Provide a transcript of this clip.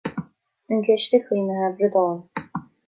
An Ciste Caomhnaithe Bradán.